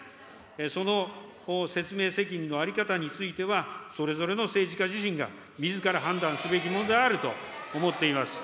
その説明責任の在り方については、それぞれの政治家自身が、みずから判断すべきものであると思っています。